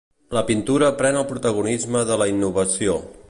La pintura pren el protagonisme de la innovació.